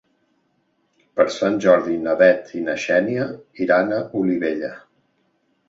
Per Sant Jordi na Bet i na Xènia iran a Olivella.